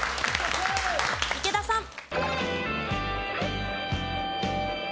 池田さん。